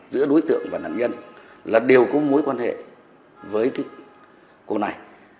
giữa đối tượng và nạn nhân là đều có mối quan hệ với cô này